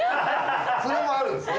それもあるんすね。